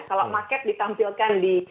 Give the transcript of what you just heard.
kalau market ditampilkan di